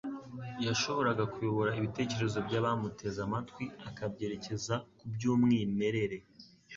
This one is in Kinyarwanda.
yashoboraga kuyobora ibitekerezo by'abamuteze amatwi akabyerekeza ku by'umwimerere,